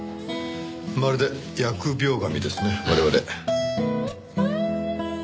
まるで疫病神ですね我々。